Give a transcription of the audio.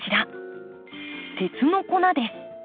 鉄の粉です。